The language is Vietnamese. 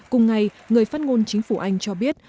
cùng ngày người phát ngôn chính phủ anh cho biết